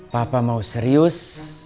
papa mau serius